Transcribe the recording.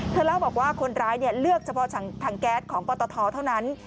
เล่าบอกว่าคนร้ายเลือกเฉพาะถังแก๊สของปตทเท่านั้น